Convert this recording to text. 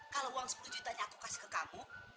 kalau uang sepuluh juta nya aku kasih ke kamu